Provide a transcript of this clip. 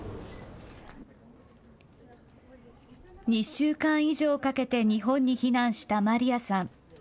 ２週間以上かけて日本に避難したマリヤさん。